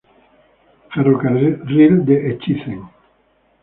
Ferrocarril de Echizen